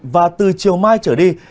và từ chiều mai trở đi